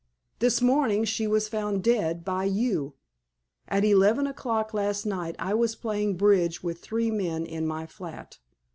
This morning she was found dead, by you. At eleven o'clock last night I was playing bridge with three city men in my flat.